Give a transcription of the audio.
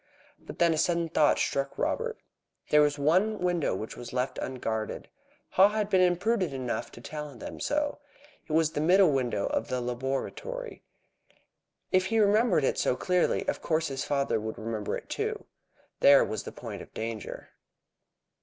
But then a sudden thought struck Robert. There was one window which was left unguarded. Haw had been imprudent enough to tell them so. It was the middle window of the laboratory. If he remembered it so clearly, of course his father would remember it too. There was the point of danger.